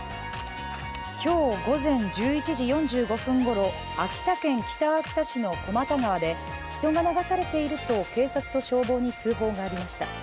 今日午前１１時４５分ごろ、秋田県北秋田市の小又川で人が流されていると警察と消防に通報がありました。